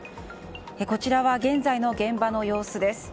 こちらは現在の現場の様子です。